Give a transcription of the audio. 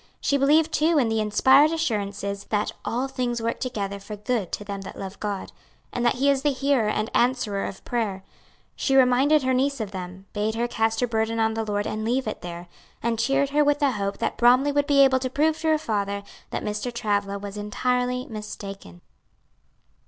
She believed too in the inspired assurances that "all things work together for good to them that love God," and that He is the hearer and answerer of prayer. She reminded her niece of them; bade her cast her burden on the Lord and leave it there, and cheered her with the hope that Bromly would be able to prove to her father that Mr. Travilla was entirely mistaken.